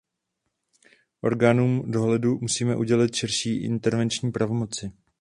Orgánům dohledu musíme udělit širší intervenční pravomoci.